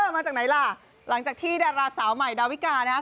มาจากไหนล่ะหลังจากที่ดาราสาวใหม่ดาวิกานะครับ